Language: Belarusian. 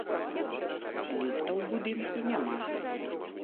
Ліфта ў будынку няма.